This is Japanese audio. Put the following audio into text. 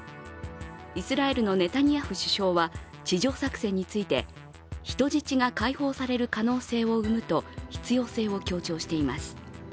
イスラエルのネタニヤフ首相は地上作戦について、人質が解放される可能性を生むと必要性を強調しています。